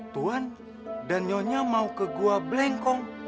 tuan dan nyonya mau ke gua blengkong